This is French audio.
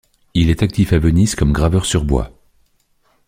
Il est actif à Venise comme graveur sur bois.